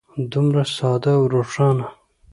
دومره ساده او روښانه.